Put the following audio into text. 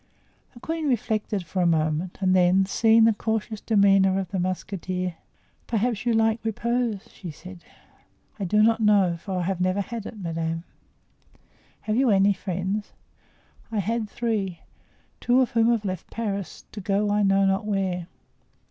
The queen reflected for a moment and then, seeing the cautious demeanor of the musketeer: "Perhaps you like repose?" she said. "I do not know, for I have never had it, madame." "Have you any friends?" "I had three, two of whom have left Paris, to go I know not where.